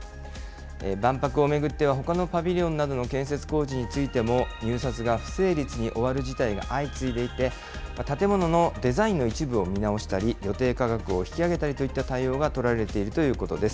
万博を巡っては、ほかのパビリオンなどの建設工事についても、入札が不成立に終わる事態が相次いでいて、建物のデザインの一部を見直したり、予定価格を引き上げたりといった対応が取られているということです。